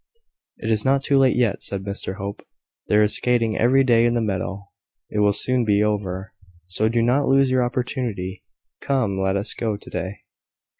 "It is not too late yet," said Mr Hope. "There is skating every day in the meadow. It will soon be over; so do not lose your opportunity. Come! let us go to day."